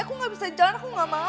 aku nggak bisa jalan aku gak mau